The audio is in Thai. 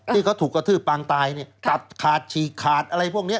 ที่เขาถูกกระทืบปางตายเนี่ยตัดขาดฉีกขาดอะไรพวกนี้